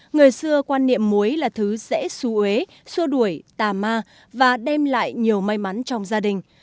người xưa quan niệm muối là thứ dễ xú ế xua đuổi tà ma và đem lại nhiều may mắn trong gia đình